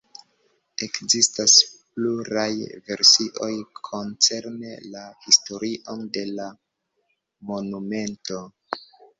Ekzistas pluraj versioj koncerne la historion de la monumento.